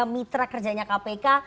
mitra kerjanya kpk